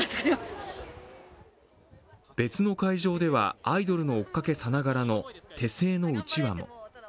別の会場ではアイドルの追っかけさながらの手製のうちわも。